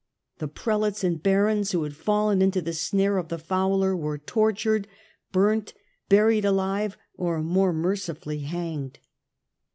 The prelates and barons who had fallen into the snare of the fowler were tortured, burnt, buried alive, or more mercifully hanged.